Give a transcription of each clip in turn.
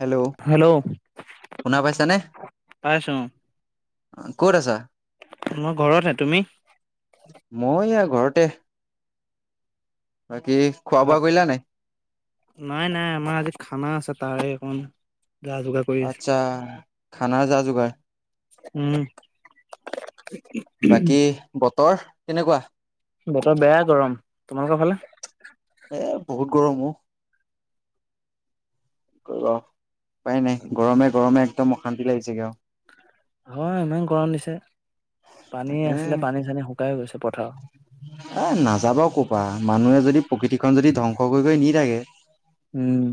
Hello, শুনা পাইছানে? পাইছো ক'ত আছা? মই ঘৰতে। তুমি? মই এয়া ঘৰতে। বাকী খোৱা বোৱা ভাত কৰিলা নাই? নাই-নাই আমাৰ আজি খানা আছে। তাৰে অকমান যা যোগাৰ কৰি আচ্ছা খানাৰ যা যোগাৰ আছো। উম। উম তই কেনেকুৱা? বতৰ বেয়া গৰম তোমালোকৰ ফালে? এ বহুত গৰমো। কৰিব, উপাই নাই গৰমে গৰমে একদম অশান্তি লাগিছেগে আৰু। হয় ইমান গৰম নিছে। তাকে গৈছে পথাৰত এ নাযাবা কবা। মানুহে যদি প্ৰকৃতিখন যদি ধ্বংস কৰি কৰি নি থাকে, উম।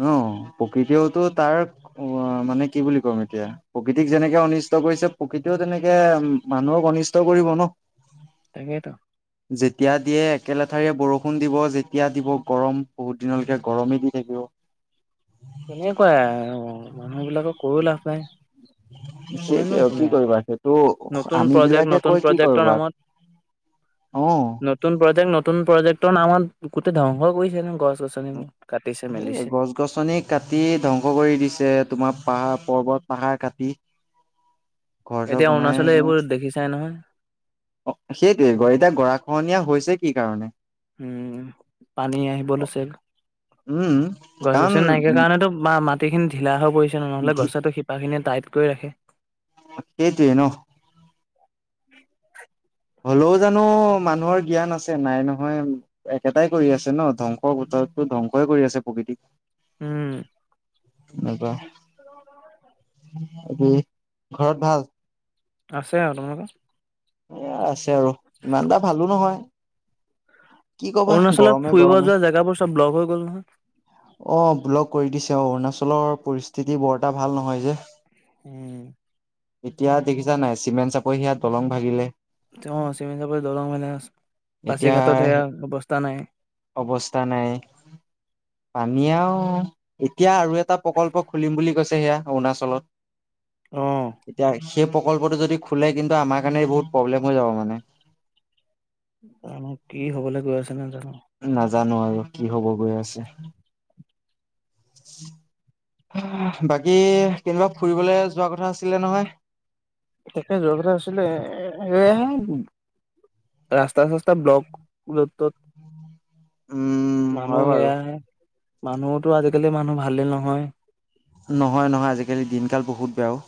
ন প্ৰকৃতিয়ওতো তাৰ অ মানে কি বুলি কম এতিয়া, প্ৰকৃতিক যেনেকে অনিষ্ট কৰিছে। প্ৰকৃতিও তেনেকে মানুহক অনিষ্ট কৰিব ন। তাকেইটো। যেতিয়া দিয়ে একে লঠাৰেে বৰষুণ দিব। যেতিয়া দিব গৰম বহুত দিনলৈকে গৰমেই দি থাকিব। তেনেকুৱাই মানুহ বিলাকক কৈও লাভ নাই। সেই কুনেনো কি শুনে, কৰিবা সেইটো নতুন আমি প্ৰজেক্ট বিলাকে নতুন কৈ কি প্ৰজেক্টৰ কৰিবা নামত। অহ। নতুন প্ৰজেক্ট নতুন প্ৰজেক্টৰ নামত গোটেই ধ্বংস কৰিছে ন গছ। গছনিবোৰ কাটিছে স মেলিছে গছ গছনি কাট কি ধ্বংস কৰি দিছে তোমাৰ পাহাৰ পৰ্বত পাহাৰ কাটি। ঘৰ চৰ এতিয়া অৰুণাচলে বনাইলো। এইবোৰ দেখিছাই নহয় অ সেইটোৱে এতিয়া গৰাখহনীয়া হৈছে কি কাৰণে। উম পানী আহিব লৈছিল। উম। গছ কাৰণ গছনি নাইকিয়া কাৰণেতো ম মাত। গোটেইখিনি ঢিলা হৈ পৰিছে, নহলে গছাটো শিপাখিনে টাইট কৰি ৰাখে। সেইটোৱে ন। উম হ'লেও জানো মানুহৰ জ্ঞান আছে নাই নহয়, একেটাই কৰি আছে ন ধ্বংস গোটৰতো ধ্বংসই কৰি আছে প্ৰকৃতিক। উম। নাপা। অ ঘৰত ভাল। আছে আৰু তোমালোকৰ? এ আছে আৰু ইমানটা ভালো নহয়। কি কবা অৰুণাচলত গৰমে ফুৰিব গৰমে। যোৱা জেগাবোৰ চব ব্লক হৈ গ'ল নহয়। অ ব্লক কৰি দিছে অ অৰুণাচলৰ পৰিস্থিতি বৰ এটা ভাল নহয় যে। উম। এতিয়া দেখিছা নাই চিমেণ্ট চাপৰি সেইয়া দলং ভাাগিলে। অ, চিমেণ্ট চাপৰিত দৰং মানে পাচি এতিয়া ঘাটত সেয়া অৱস্থা নাই। অৱস্থা নাই। পানীয়ে আৰু, এতিয়া আৰু এটা প্ৰকল্প খুলিম বুলি কৈছে সেয়া অৰুণাচলত। এতিয়া [unintelligible] সেই প্ৰকল্পটো যদি খোলে কিন্তু আমাৰ কাৰণে বহুত প্ৰব্লেম হৈ যাব মানে জানো কি হবলৈ গৈ আছে নাজানো। নাজানো আৰু কি হ'ব গৈ আছে। উ [unintelligible] বাকী, কেনিবা ফুৰিবলৈ যোৱা কথা আছিলে নহয়। তাকেই যোৱা কথা আছিলে, এইয়াহে ৰাস্তা চাস্তা ব্লক যত তত। উম মানুহ হয় বাৰু সেয়াহে, মানুহুটো আজিকালি মানুহ ভালেই নহয়। নহয় নহয়, আজিকালি দিনকাল বহুত বেয়া ও।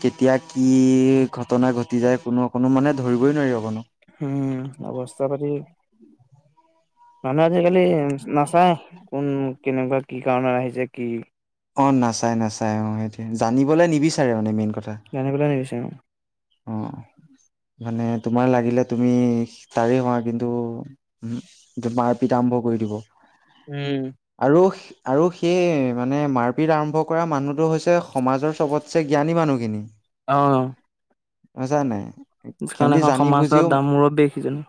কেতিয়া কি ঘটনা ঘটি যায় কোনো অকোনো মানে ধৰিবই নোৱাৰি অকনো। উম, অৱস্থা পাটি [inaudible] মানুহে আজিকালি নাচায় কোন, কেনেকুৱা, কি কাৰণত আহিছে কি? অহ নাচাই নাচাই অহ, সেইটোৱে, জানিবলৈ নিবিচাৰে মানে মেইন কথা জানিবলৈ নিবিচাৰে অ'। অ'। মানে তোমাৰ লাগিলে তুমি তাৰে হোৱা কিন্তু, উম তোমাক পিতা আৰম্ভ কৰি দিব উম আৰু আৰু সেই মানে মাৰপিট আৰম্ভ কৰা মানুহটো হৈছে সমাজৰ চবতছে জ্ঞানী মানুহ সিনি। অহ। মজা নাই। এখন সিহঁতি এখন জানি সমাজৰ এটা মূৰৰ্ব্বি সেইজন।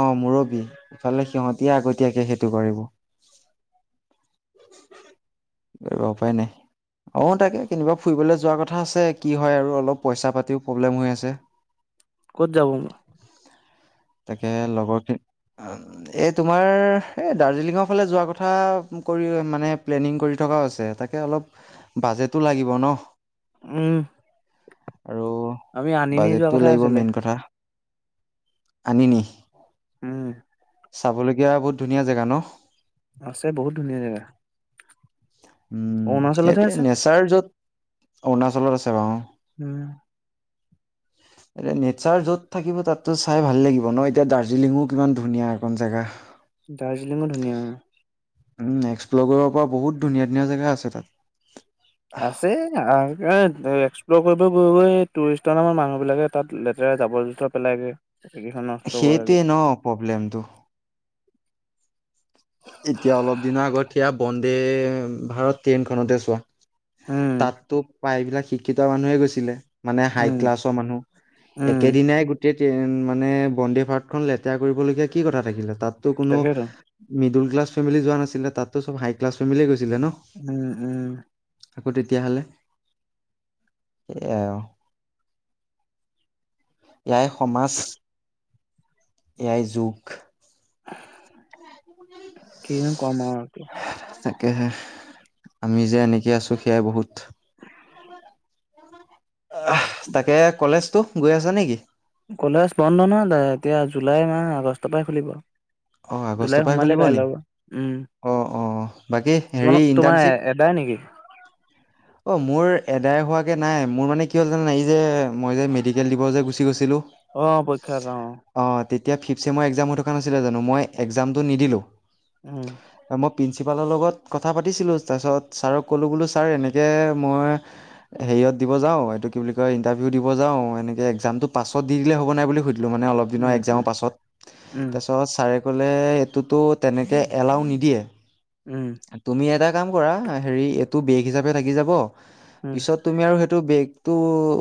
অহ মুৰব্বী, ইফালে সিহঁতিহে আগতীয়াকে সেইটো কৰিব। কৰিব উপায় নাই অহ তাকে, কেনিবা ফুৰিবলৈ যোৱা কথা আছে, কি হয় আৰু অলপ পইচা পাতিও প্ৰব্লেম হৈ আছে ক'ত যাব নো? [inaudible] তাকেই লগৰখিনি, অ', এই তোমাৰ এই দাৰ্জিলিঙৰ ফালে যোৱা কথা ফুৰিবলৈ মানে প্লেনিং কৰি থকা হৈছে, তাকেই অলপ বাজটো লাগিব ন' উম। আৰু আমি আনি নি যোৱা বাজেটটো কথা লাগিব আছিলে মেইন কথা আনিনি। উম চাবলগীয়া বহুত ধুনীয়া জেগা ন'? আছে, বহুত ধুনীয়া জেগা। উম, অৰুণাচলতহে এইটোৱে আছে। নেচাৰ য'ত, অৰুণাচলত আছে বাৰু উম। [inaudible] এতিয়া নেচাৰ য'ত থাকিব তাততো চাই ভাল লাগিব ন', এতিয়া দাৰ্জিলিঙো কিমান ধুনীয়া এখন জেগা। দাৰ্জিলিঙো ধুনীয়া অ'। উম, এক্সপ্ল'ৰ কৰিব পৰা বহুত ধুনীয়া ধুনীয়া জেগা আছে তাত। আছে আৰু এই এক্সপ্ল'ৰ কৰিব গৈ গৈ, এই টুৰিষ্টৰ নামত মানুহবিলাকে তাত লেতেৰা জাবৰ জোথৰ পেলাইগৈ। সেইটোৱে ন', প্ৰব্লেমটো। এতিয়া অলপ দিনৰ আগত সেয়া বন্দে ভাৰত ট্ৰেইনখনতে চোৱা উম তাততো প্ৰায়বিলাক শিক্ষিত মানুহে গৈছিলে মানে হাই উম ক্লাছৰ মানুহ উম একেদিনাই কেই মানে বন্দে ভাৰতখন লেতেৰা কৰিবলগীয়া কি কথা থাকিলে, তাততো কোনো তাকেইতো মিদুল‌ক্লাছ ফেমিলি যোৱা নাছিলে, তাতো চব হাই ক্লাছ ফেমিলি গৈছিল। উম উম। আকৌ তেতিয়াহ'লে, সেয়াই আৰু। এয়াই সমাজ, এয়াই যোগ। কিনো কম আৰু এতিয়া। তাকেহে, আমি যে এনেকৈ আছোঁ সেয়াই বহুত। তাকে কলেজতটো গৈ আছা নে কি? কলেজ বন্ধ নহয়, দে এতিয়া জুলাই মাহ, আগষ্টৰ পৰাহে খুলিব। অ', জুলাই আগষ্টৰ পৰাহে সোমালে খুলিব নি? কাইলৈ পৰা উম অ', অ', বাকী হেৰি তোমালোক তোমাৰ ইণ্টাৰ্ণশ্বিপ এদাই নেকি? অ', মোৰ এদাই হোৱাকৈ নাই মোৰ মানে কি হ'ল জানা নাই এই যে মই যে মেডিকেল দিব যে গুচি গৈছিলোঁ অ পৰীক্ষা অ অ', তেতিয়া ফিফচেমৰ একসাম হৈ থকা নাছিলে জানো মই একজামটো নিদিলো। উম প্ৰিঞ্চিপালৰ লগত কথা পাতিছিলোঁ তাৰপিছত ছাৰক ক'লোঁ বোলো ছাৰ এনেকৈ মই হেৰিয়ত দিব যাওঁ এইটো কি বুলি কয় ইণ্টাৰভিউ দিব যাওঁ এনেকে একজামটো পাছত দি দিলে হ'ব নাই বুলি সুধ মানে অলপ দিনৰ উম এক্সামৰ পাছত উম ছাৰে ক'লে এইটোতো তেনেকৈ এলাউ নিদিয়ে উম তুমি এটা কাম কৰা হেৰি এইটো বেগ হিচাপে থাকি যাব উম পিছত তুমি আৰু সেইটো বেক্‌টো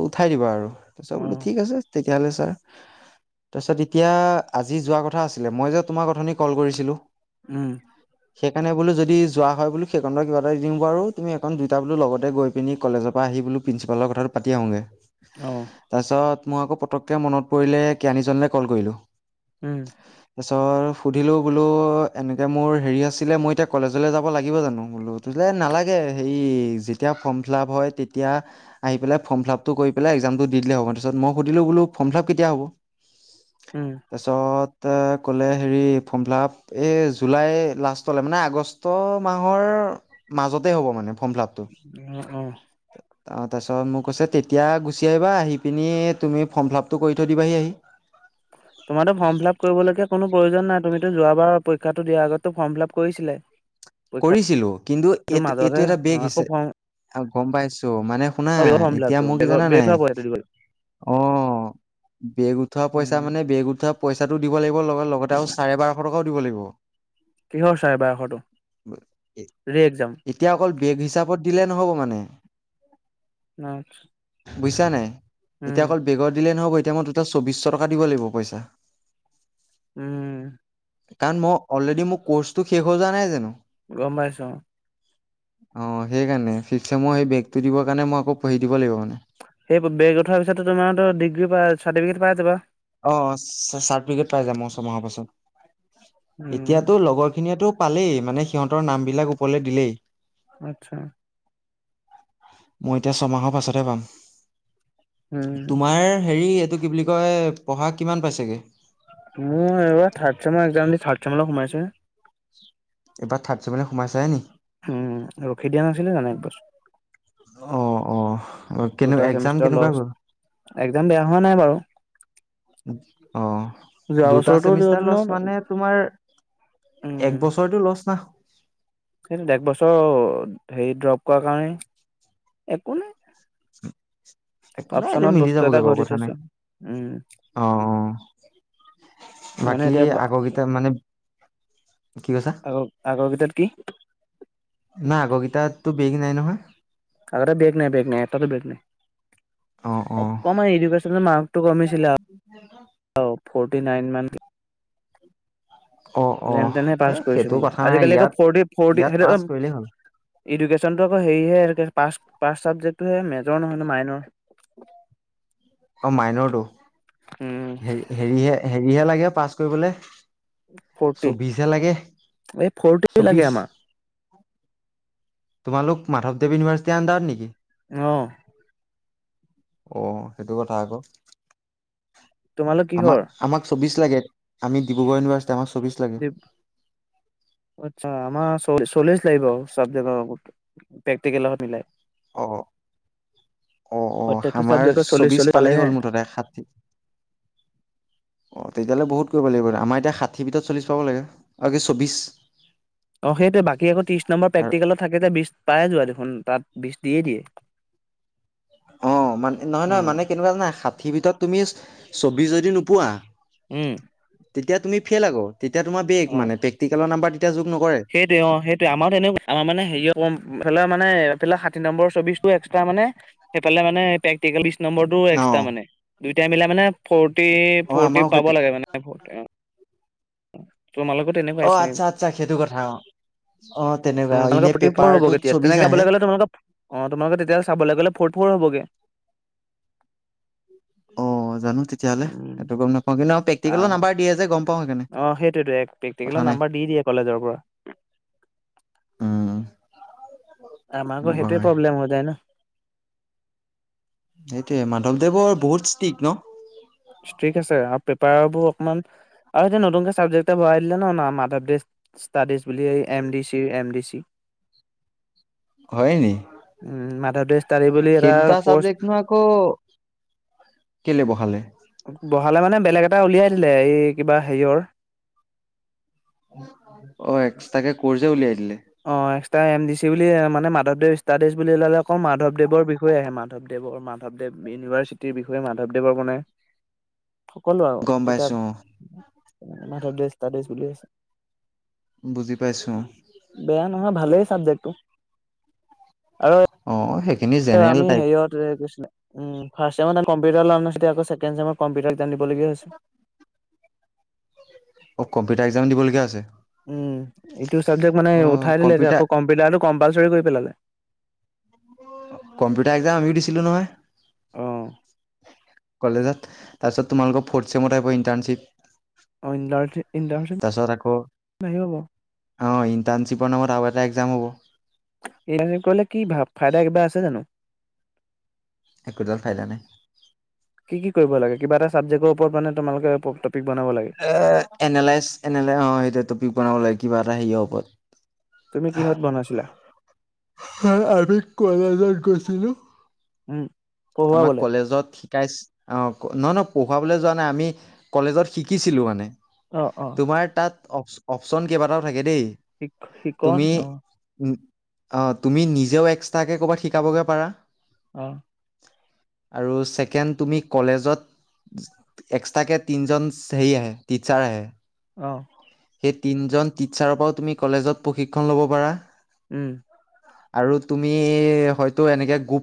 উঠাই দিবা আৰু, তাৰপিছত উম অ বোলো ঠিক আছে তেতিয়াহ'ল ছাৰ তাৰপিছত এতিয়া আজি যোৱা কথা আছিলে, মই যে তোমাৰ কথা কল কৰিছিলো উম সেইকাৰণ বোলো যদি দি যোৱা হয় বো সেইকণতে কিবা এটা দিম বাৰু, তুমি এখন দুইটা বোলো লগতে গৈ পিনি কলেজৰ পৰা আহি বোলো প্ৰিন্সিপালক কথাটো পাতি আহোঁগৈ। অ তাৰপিছত মই আকৌ পতককে মনত পৰিলে কেৰাণী জনলৈ কল কৰিলোঁ। উম তাৰপিছত সুধিলোঁ বোলো এনেকৈ মোৰ হেৰি আছিলে মই এতি কলেজলৈ যাব লাগিব জানো বোলো তোলে নালাগে হেৰি যেতিয়া ফৰ্ম ফিল আপ হয় তেতিয়া আহি পেলাই ফৰ্ম ফিলাপটো কৰি পেলাই একজামটো দিলে হব তাৰপিছত মই সুধিলো বোলো ফৰ্ম ফিলাপ কেতিয়া হ'ব। উম তাৰিছত এ ক'লে হেৰি ফৰ্ম ফিলাপ এই জুলাই লাষ্টলৈ মানে আগষ্ট আগষ্ঠ মাহৰ মাজতে হ'ব মানে। ফমফিলাপটো অ অ ত মোক কৈছে তেতিয়া গুচি আহিবা আহি পিনি তুমি ফৰ্ম ফিলাপ টো কৰি থৈ দিবাহি আহি তোমাৰোক ফৰ্ম ফিলাপ কৰিবলগীয়া কোনো প্ৰয়োজন নাই তুমিতো যোৱাবাৰ পৰীক্ষাটো দিয়াৰ আগতটো ফৰ্ম ফিল আাপ কৰিছিলে কৰিছিলোঁ কিন্তু এই এইটো এটা অ বেগ আকৌ হৈছে ফৰ্ম আহ গম পাইছো মানে শুনা অ বেগৰ ফৰ্ম ফিল এতিয়া আপটো মোৰ কি বেগ জানা বেগ নাই থোৱা পইচাটো দিব লাগিব। অ বেগ উঠোৱা পইচা উম মানে বেগ উঠোৱা পইচাটো দিব লাগিব লগ লগতে আৰু চাৰে বাৰশ টকাও দিব লাগিব। কিহৰ চাৰে বাৰস টকা এতিয়া অকল বেগ হিচাপত দিলে নহ'ব মানে নাই [unintelligible] বুজিছা নাই এতিয়া অকল বেগৰ দিলে নহ'ব এতিয়া মই দুটা চৌবিশ টকা দিব লাগিব পইচা উম কাৰণ মই অলৰেডি মোৰ কৰ্চটো শেষ হৈ যোৱা নাই জানো গম পাইছো অ সেইকাৰণে ফিপ সেমৰ সেই বেগতটো দিবৰ কাৰণে মই আকৌ পঢ়ি দিব লাগিব মানে সেই বেগ উঠাৰ পিছতো তোমাৰো ডিগ্ৰী পাছ চাৰ্টিফিকেট পাই যাবা অ চাৰ্টিফিকেট পাই যাম মই ছমাহৰ পাছত উম। এতিয়াতো লগৰ খিনিয়েতো পালেই মানে সিহঁতৰ নাম বিলাক ওপৰলে দিলেই আচ্ছা মই এতিয়া ছমাহৰ পাছতহে পাম উম, তোমাৰ হেৰি এইটো কি বুলি কয় পঢ়া কিমান পাইছেগে মোৰ এইবাৰ থাৰ্ড ছেমৰ একজাম দি থাৰ্ড ছেমোলে সোমাইছোহে এইবাৰ থাৰ্ড ছেমলৈ সোমাইছাহে নেকি উম ৰখি দিয়া নাছিলোঁ জানো এক বছৰ অ', অ', কেনে দুটা এক্সাম চেমিষ্টাৰ কেনেকুৱা গ'ল? লষ্ট একজাম বেয়া হোৱা নাই বাৰু অ যোৱা দুটা বছৰতো চেমিষ্টাৰ লছ মানে তোমাৰ এক বছৰতো লছ না সেই এক বছৰ হেৰি ড্ৰপ কৰাৰ কাৰণে একো নাই একো নাই এইটো অপচনত মিলি বস্তু যাবগে এটা বাৰু ঘটি কথা নাই থৈছো। উম, অ অ মানে বাকী এতিয়া আগৰকেইটা মানে কি কৈছা আগ আগৰ কেইটাত কি নাই আগৰকেইটাতো বেগ নাই নহয় আগতে বেগ নাই বেগ নাই এটাতো বেগ নাই অ', অ', অকমান এডুকেশ্যন মাৰ্কটো কমিছিলে থাৰ্টি [unintelligible] নাইন মান অ', অ', যেনে তেনে এ পাছ কৰিছোঁ সেইটো মানে কথা নাই আজিকালি আকৌ ইয়াত ফৰটি ফৰটি ইয়াত পাছ কৰিলেই হ'ল। ইডুকেশ্যনতটো আকৌ হেৰিয়ে পাছ, পাছ চাবজেক্ত তটো সে মেজৰ নহয় টো মাইনৰ অ মাইনৰটো উম হে হেৰিহে হেৰিহে লাগে পাছ কৰিবলে ফৰ্টি চৌবিশহে লাগে এই ফৰ্টি লাগে চৌবিশ আমাৰ তোমালোক মাধৱদেৱ ইউনিভাৰ্চিটি আন্দাৰত নেকি অঁ অ সেইটো কথা আকৌ তোমালোক কিহৰ আমাক আমাক চৌবিশ লাগে আমি ডিব্ৰুগড় ইউনিভাৰ্চ আচ্ছা আমাৰ চল্লিছ লাগিব [unintelligible] প্ৰেক্টিকেল মিলাই অ অ অ প্ৰত্যেকটো আমাৰ চাবজেক্টত চল্লিশ চৌবিশ চল্লিশ পালেই পালেহে হ'ল মুঠতে ষাঠি অ তেতিয়াহ'লে বহুত কৰিব লাগিব আমাৰ এতিয়া ষাঠিৰ ভিতৰত চল্লিছ পাব লাগে আৰু কি চৌবিশ অ সেইটোৱে বাকী আকো তিৰিছ নম্বৰ আৰু প্ৰেক্টিকেলত থাকে বিশ পায়েই যোৱা দেখোন তাত বিশ দিয়ে দিয়ে অ মানে নহয় নহয় উম মানে কেনেকুৱাই ষাঠিৰ ভিতৰত তুমি চৌবিশ যদি নোপোৱা উম তেতিয়া তুমি ফেইল আকৌ তেতিয়া তোমাৰ বেগ মানে প্ৰেক্টিকেলৰ নাম্বাৰ তেতিয়া যোগ নকৰে সেইটোয়ে অ সেইটোয়ে আমাৰ তেনেকুৱা আমাৰ মানে হেৰি মানে ষাঠি নম্বৰ চবিছটো এক্সৰা মানে‌ সেইফালে পেটি নম্বৰটো অ এক্সট্ৰা মানে দুইটাই মিলাই মানে ফ অ ফৰটি আমাৰো পাব সেইটো লাগে মানে ফ তোমালোকত এনেকুৱা আহ অ হৈছে আচ্ছা আচ্ছা সেইটো কথা অ অ তেনেকুৱা এনে ত ফৰটি ফৰ হ'ব হ'ব পেপাৰটোত কেতিয়া চৌবিশ তেনেকে আহে গলে তোমোক অ তোমালোক তেতিয়া চাবলৈ গলে ফ ফৰ হবগে অ জানো তেতিয়াহলে উম গম নাপওঁ কিন্ত প্ৰেক্টিকেলৰ নাম্বাৰ দিয়ে যে পাওঁ সেইকাৰণে আহ সেইটোতো এক কথা প্ৰেক্টিকেলৰ নাই নাম্বৰ দি দিয়ে কলেজৰ পৰা উম আমাক এনেকুৱা সেইটোৱে হয় প্ৰব্লেম হৈ যায় ন সেইটোয়ে মাধৱদেৱৰ বহুত ষ্টিক ন ঠিক আছে আ পেপাৰ বোৰ অকণমান আৰু এতিয়া নতুনকে চাবজেক্ট এটা ভৰাই দিলে ন, মাধৱদেৱ ষ্টাডিজ বুলি। এম ডি চিৰ এম ডি চি। হয়নি? উম মাধৱদেৱ ষ্টাডি বুলি এটা সেইদুতা কৰ্চ চাবজেক্ট নো আকৌ কেলে বহালে? বহালে মানে বেলেগ এটা উলিয়াই দিলে এই কিবা হেৰিয়ৰ অ', এক্সতাকে কৰ্ছেই উলিয়াই দিলে। এটা এম ডি চি বুলি মানে মাধৱদেৱ ষ্টডিজ বুলি ওলালে, আকৌ মাধৱদৱৰ বিষয়ে আহে মাধৱদেৱৰ মাধৱদেৱ। ইউনিভাৰ্চিটিৰ বিষয়ে মাধৱদেৱৰ মানে। [unintelligible] সকলো আৰু গম পাইছো কিতাপ অ মাধৱদেব ষ্টাডিছ বুলি আছে। বুজি পাইছো। বেয়া নহয় ভালেই চাবজেক্টটো। আৰু অ', সেই আমি হেয়ত এই কি আছিলে, উম, ফাৰ্চ চেমত কম্পিউটাৰ লোৱা নাচি এতিয়া আকৌ ছেকেণ্ড চেমত কম্পিউটাৰ এক্সাম দিবলগীয়া হৈছে। অ', কম্পিটাৰ একজাম দিবলগীয়া হৈছে? উম, এইটো চাবজেক্ট মানে উঠাই দিলে যে, কম্পিউটাৰ আকৌ কম্পিউটাৰটো কম্পালচৰি কৰি পেলালে। কম্পিউটাৰ এক্জাম আমিও দিছিলো নহয়। অ'। কলেজত তাৰপিছত তোমালোকৰ ফৰ্থ ছেমত আহিব ইণ্টাৰ্ণশ্বিপ। তাৰপিছত আকৌ [unintelligible] অ', ইণ্টাৰ্ণশ্বিপৰ নামত আৰু এটা একজাম হ'ব। ইংৰাজীত কৰিলে কি ভাব ফাইদা কিবা আছে জানো। একোডাল ফাইদা নাই কি কি কৰিব লাগে কিবা এটা চাবজেক্টৰ ওপৰত মানে তোমালোকে টপিক বনাব লাগে, এনালাইচ এনালাই অ', সেইটো টপিক বনাব লাগে কিবা এটা হেৰি ওপৰত। তুমি কিহত বনাইছিলা? আমি কলেজত গৈছিলো। উম। পঢ়োৱা আমাক বোলে, কলেজত শিকাইছ অ', নহয়-নয়, পঢ়োৱাবলৈ যোৱা নাই আমি কলেজত শিকিছিলোঁ মানে। অ', অ', তোমাৰ তাত অপ-অপচন কেইবাটাও থাকে দেই। শিক শিকন তুমি, অ', উম। অ', তুমি নিজেও এক্সট্ৰাকে ক'ৰবাত শিকাবগৈ পাৰা। অ'। আৰু ছেকেণ্ড তুমি কলেজত এক্সট্ৰাকে তিনজন হেৰি আহে টিচাৰ আহে। অ'। তিনজন টিচাৰৰ পৰাও তুমি কলেজত প্ৰশিক্ষণ ল'ব পাৰা। উম। আৰু তুমি হয়তো এনেকে গুপ